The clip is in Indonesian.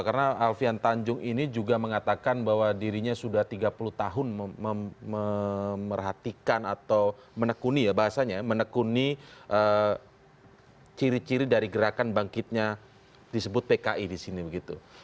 karena alfian tanjung ini juga mengatakan bahwa dirinya sudah tiga puluh tahun memerhatikan atau menekuni ya bahasanya ya menekuni ciri ciri dari gerakan bangkitnya disebut pki di sini begitu